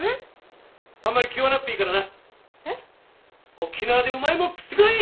沖縄でうまいもん食ってこい！